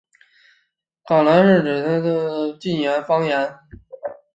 岚县话指的是通行于山西省岚县境内的晋语方言。